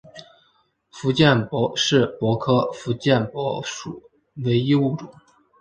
福建柏是柏科福建柏属唯一物种。